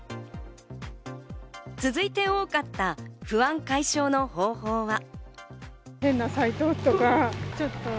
続いて多かった、不安解消の方法は？